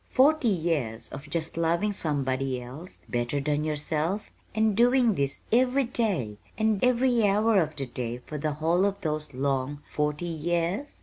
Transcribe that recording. Forty years of just loving somebody else better than yourself, and doing this every day, and every hour of the day for the whole of those long forty years?